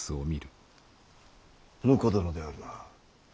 婿殿であるな。